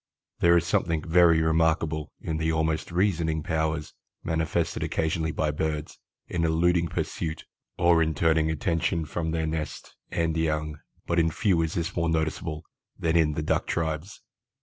There is something very remarkable in the almost reasoning powers manifested occasionally by birds in eluding pursuit or in turning attention from their nests and young, but in few is this more noticeable than in the Duck tribes.